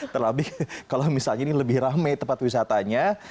terlebih kalau misalnya ini lebih rame tempat wisatanya